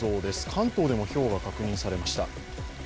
関東でもひょうが確認されました。